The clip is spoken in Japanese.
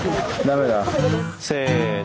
せの！